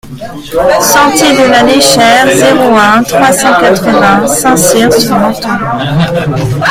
Sentier de la Léchère, zéro un, trois cent quatre-vingts Saint-Cyr-sur-Menthon